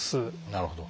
なるほど。